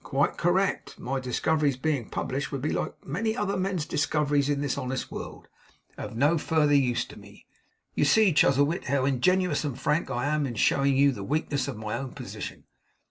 Quite correct! My discoveries being published, would be like many other men's discoveries in this honest world; of no further use to me. You see, Chuzzlewit, how ingenuous and frank I am in showing you the weakness of my own position!